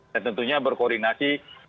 dan tentunya berkoordinasi